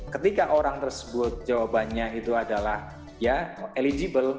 ketika orang tersebut jawabannya itu adalah ya eligible